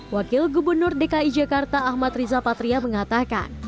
wakil gubernur dki jakarta ahmad riza patria mengatakan